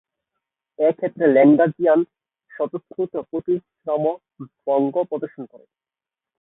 এই ক্ষেত্রে, ল্যাগ্রাঞ্জিয়ান স্বতঃস্ফূর্ত প্রতিসাম্য ভঙ্গ প্রদর্শন করে।